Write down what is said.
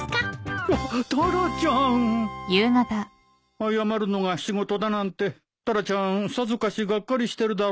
謝るのが仕事だなんてタラちゃんさぞかしがっかりしてるだろ？